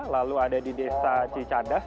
lalu ada di desa cicadas